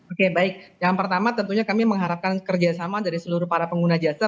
oke baik yang pertama tentunya kami mengharapkan kerjasama dari seluruh para pengguna jasa